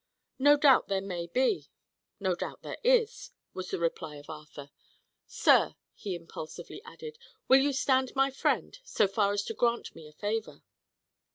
"No doubt there may be; no doubt there is," was the reply of Arthur. "Sir," he impulsively added, "will you stand my friend, so far as to grant me a favour?"